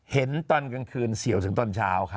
เห็นตอนกลางคืนเสี่ยวถึงตอนเช้าค่ะ